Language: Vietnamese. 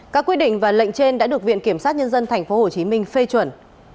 các quyết định và lệnh trên đã được viện kiểm sát nhân dân tp hcm phê chuẩn